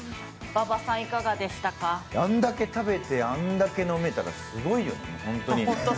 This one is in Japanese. あんだけ食べてあんだけ飲めたらすごいよ、ホントに。